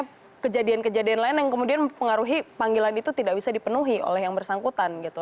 atau kejadian kejadian lain yang kemudian mempengaruhi panggilan itu tidak bisa dipenuhi oleh yang bersangkutan gitu